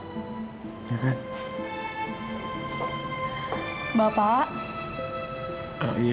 aku memang dua tahun tiap hari radio battle t serve